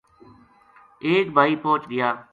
ایک بھائی پوہچ گیا